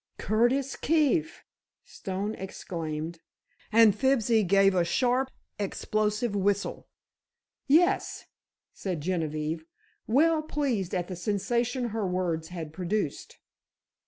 "Curtis Keefe!" Stone exclaimed, and Fibsy gave a sharp, explosive whistle. "Yes," said Genevieve, well pleased at the sensation her words had produced.